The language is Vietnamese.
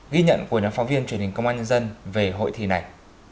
ghi nhận của nhóm phóng viên truyền hình công an nhân dân về hội thi này